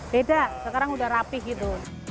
beda sekarang udah rapih gitu